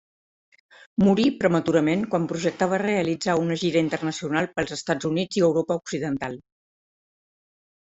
Morí prematurament, quan projectava realitzar una gira internacional pels Estats Units i Europa Occidental.